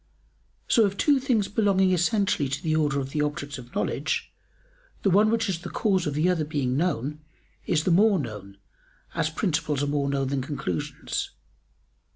So of two things belonging essentially to the order of the objects of knowledge, the one which is the cause of the other being known, is the more known, as principles are more known than conclusions.